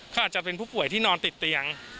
เขาอาจจะเป็นผู้ป่วยที่นอนติดเตียง